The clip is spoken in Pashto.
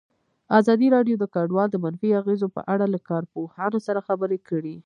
ازادي راډیو د کډوال د منفي اغېزو په اړه له کارپوهانو سره خبرې کړي.